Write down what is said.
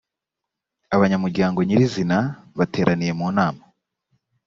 abanyamuryango nyir’izina bateraniye mu nama